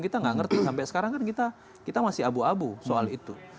kita nggak ngerti sampai sekarang kan kita masih abu abu soal itu